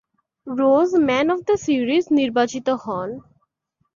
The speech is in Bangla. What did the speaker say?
Rose man of the series নির্বাচিত হন।